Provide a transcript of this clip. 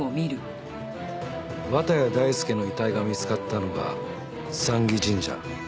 綿谷大介の遺体が見つかったのが山祇神社。